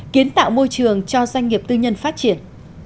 kiến tạo môi trường cho doanh nghiệp tư nhân phát triển